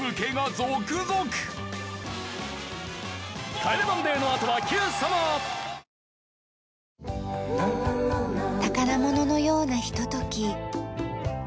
『帰れマンデー』のあとは『Ｑ さま！！』宝物のようなひととき。